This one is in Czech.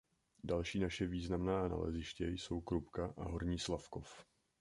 Další naše významná naleziště jsou Krupka a Horní Slavkov.